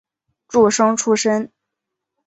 诸生出身。